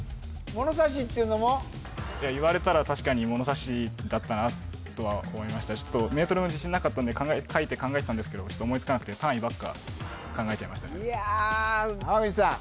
ものさしっていうのも言われたら確かにものさしだったなとは思いましたメートルも自信なかったんで書いて考えてたんですけど思いつかなくて単位ばっか考えちゃいましたいや口さん